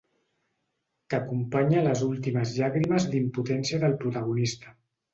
Que acompanya les últimes llàgrimes d'impotència del protagonista.